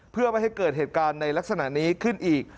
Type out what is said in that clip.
เพื่อไม่ให้เกิดเหตุการณ์ในลักษณะนี้ขึ้นอีก